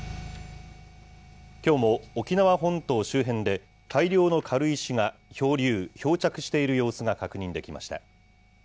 きょうも沖縄本島周辺で、大量の軽石が漂流・漂着している様子が確認できました。